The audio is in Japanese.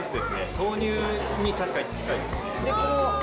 豆乳に確かに近いですね。